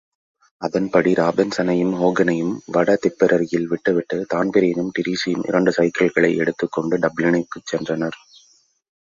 அதன்படி ராபின்ஸனையும் ஹோகனையும் வடதிப்பெரரியில் விட்டு விட்டு தான்பிரீனும் டிரீஸியும் இரண்டு சைக்கிள்களை எடுத்துக்கொண்டு டப்ளினுக்குச் சென்றனர்.